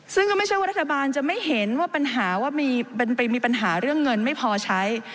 ซึ่งก็ไม่ใช่ว่ารัฐบาลจะไม่เห็นว่าปัญหาว่ามีปัญหาเรื่องเงินไม่พอใช้